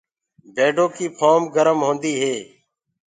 بيڊو ڪيٚ ڦهوم گرم هوندي هي۔